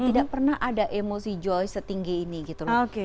tidak pernah ada emosi joy setinggi ini gitu loh